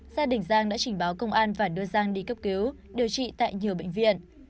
gia đình giang đã trình báo công an và đưa giang đi cấp cứu điều trị tại nhiều bệnh viện